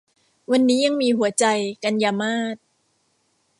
วันนี้ยังมีหัวใจ - กันยามาส